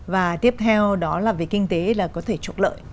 và tiếp theo đó là về kinh tế là có thể trục lợi